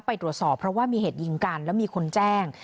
ไปตรวจสอบเพราะว่ามีเหตุยิงกันแล้วมีคนแจ้ง